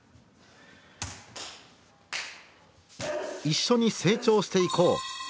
「一緒に成長していこう」。